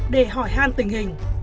để hỏi hàn tình hình